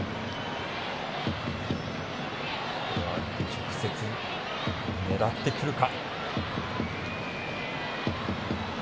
直接狙ってくるか。